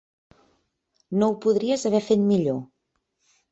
No ho podries haver fet millor.